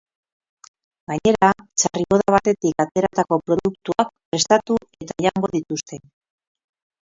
Gainera, txarriboda batetik ateratako produktuak prestatu eta jango dituzte.